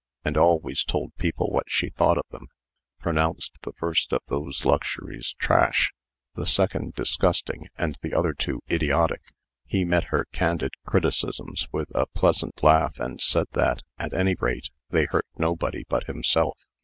and always told people what she thought of them pronounced the first of those luxuries "trash," the second "disgusting," and the other two "idiotic," he met her candid criticisms with a pleasant laugh, and said that, at any rate, they hurt nobody but himself.